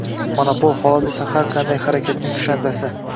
Monopol holat esa har qanday harakatning kushandasi –